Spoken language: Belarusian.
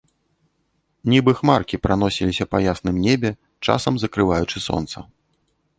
Нібы хмаркі праносіліся па ясным небе, часам закрываючы сонца.